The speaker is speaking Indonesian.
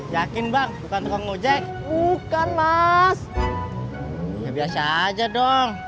yakin bang bukan tukang ojek bukan mas ya biasa aja dong